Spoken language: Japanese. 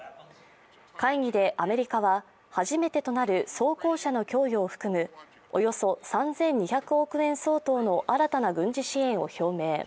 会議でアメリカは初めてとなる装甲車の供与を含むおよそ３２００億円相当の新たな軍事支援を表明。